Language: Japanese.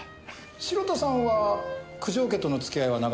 城田さんは九条家との付き合いは長いんですか？